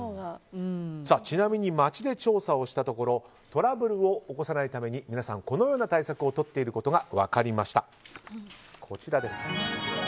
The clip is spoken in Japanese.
ちなみに街で調査をしたところトラブルを起こさないために皆さん、このような対策をとっていることが分かりました。